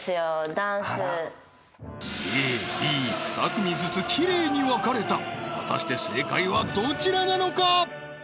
ダンスＡＢ２組ずつきれいに分かれた果たして正解はどちらなのか？